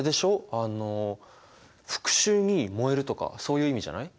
あの復讐に燃えるとかそういう意味じゃない？